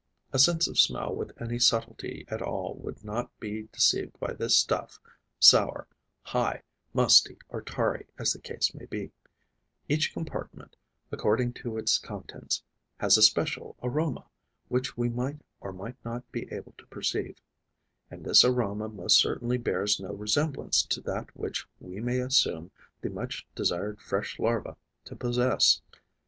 A sense of smell with any subtlety at all would not be deceived by this stuff, sour, 'high,' musty or tarry as the case may be; each compartment, according to its contents, has a special aroma, which we might or might not be able to perceive; and this aroma most certainly bears no resemblance to that which we may assume the much desired fresh larva to possess.